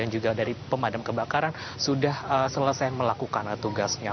dan juga dari pemadam kebakaran sudah selesai melakukan tugasnya